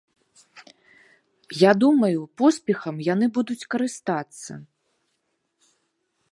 Я думаю, поспехам яны будуць карыстацца.